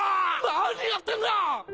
何やってんだ！